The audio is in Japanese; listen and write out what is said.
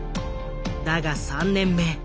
だが３年目